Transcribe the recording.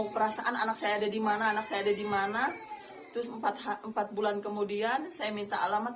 perasaan anak saya ada di mana anak saya ada di mana terus empat bulan kemudian saya minta alamat